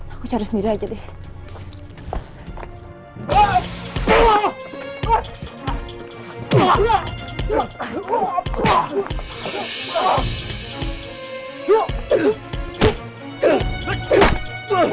aku cari sendiri aja deh